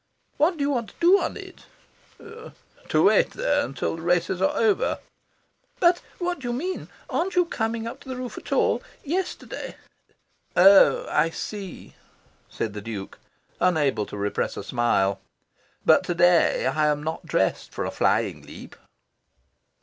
"What do you want to do on it?" "To wait there till the races are over." "But what do you mean? Aren't you coming up on to the roof at all? Yesterday " "Oh, I see," said the Duke, unable to repress a smile. "But to day I am not dressed for a flying leap."